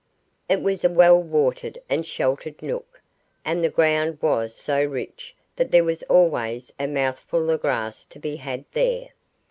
It was a well watered and sheltered nook, and the ground was so rich that there was always a mouthful of grass to be had there.